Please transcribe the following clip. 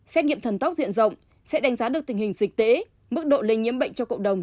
xét nghiệm thần tốc diện rộng sẽ đánh giá được tình hình dịch tễ mức độ lây nhiễm bệnh cho cộng đồng